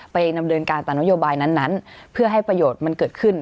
ดำเนินการตามนโยบายนั้นเพื่อให้ประโยชน์มันเกิดขึ้น